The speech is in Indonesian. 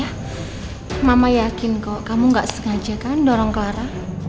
mama yakin kok kamu gak sengaja kan dorong clara